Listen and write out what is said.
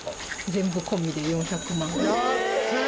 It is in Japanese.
全部込みで４００万。え！？